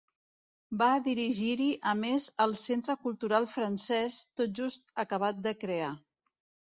Va dirigir-hi a més el Centre Cultural francès, tot just acabat de crear.